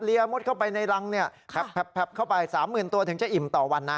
มดเข้าไปในรังเนี่ยแพ็บเข้าไป๓๐๐๐ตัวถึงจะอิ่มต่อวันนะ